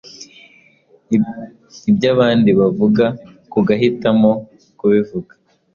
ibyo abandi bavuga bagahitamo kubivuga